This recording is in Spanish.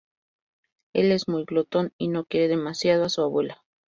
Él es muy glotón y no quiere demasiado a su abuela.